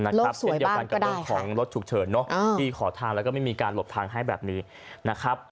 เช่นเดียวกันกับเรื่องของรถฉุกเฉินที่ขอทางแล้วก็ไม่มีการหลบทางให้แบบนี้นะครับ